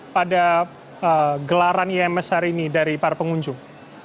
pada gelaran ims hari ini dari para pengunjung